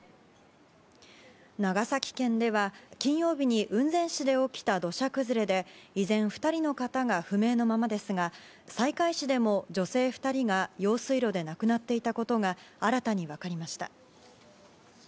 長崎県では金曜日に雲仙市で起きた土砂崩れで依然２人の方が不明のままですが西海市でも女性２人が用水路で亡くなっていたことが新たに分かりました。